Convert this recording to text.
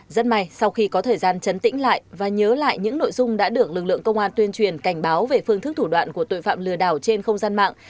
rất may sau khi có thời gian chấn tĩnh lại và nhớ lại những nội dung đã được lực lượng công an tuyên truyền cảnh báo về phương thức thủ đoạn của tội phạm lừa đảo trên không gian mạng